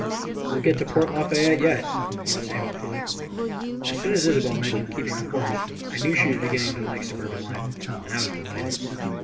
"We will get to Port Lafayette yet," he would say hopefully. As soon as Isobel mentioned keeping a horse I knew she was beginning to like suburban life, and I was delighted.